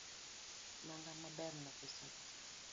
Nanga maberno pesa adi?